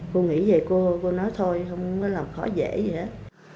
cô nghĩ vậy cô cô nói thôi không có làm khó dễ gì hết